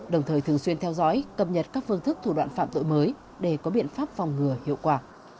đồng thời thường xuyên theo dõi cập nhật các phương thức thủ đoạn phạm tội mới để có biện pháp phòng ngừa hiệu quả